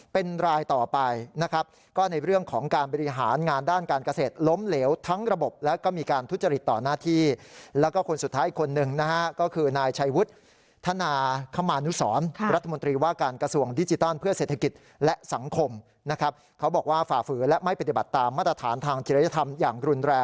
เป็นรายต่อไปนะครับก็ในเรื่องของการบริหารงานด้านการเกษตรล้มเหลวทั้งระบบและก็มีการทุจริตต่อหน้าที่แล้วก็คนสุดท้ายอีกคนนึงนะฮะก็คือนายชัยวุฒิธนาคมานุสรรัฐมนตรีว่าการกระทรวงดิจิทัลเพื่อเศรษฐกิจและสังคมนะครับเขาบอกว่าฝ่าฝืนและไม่ปฏิบัติตามมาตรฐานทางจิรธรรมอย่างรุนแรง